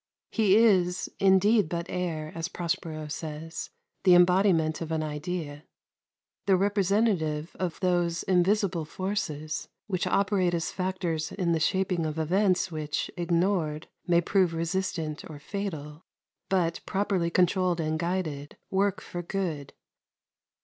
He is indeed but air, as Prospero says the embodiment of an idea, the representative of those invisible forces which operate as factors in the shaping of events which, ignored, may prove resistant or fatal, but, properly controlled and guided, work for good.